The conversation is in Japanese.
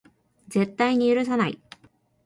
絶対に許さない